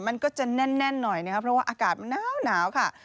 มันก็จะแน่นหน่อยนะครับเพราะว่าอากาศมันหนาวค่ะ